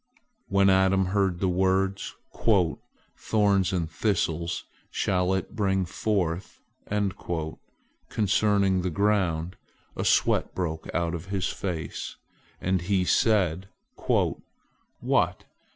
" When Adam heard the words, "Thorns and thistles shall it bring forth," concerning the ground, a sweat broke out on his face, and he said: "What!